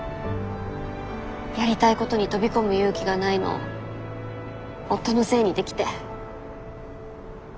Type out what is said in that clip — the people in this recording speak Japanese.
やりたいことに飛び込む勇気がないのを夫のせいにできて。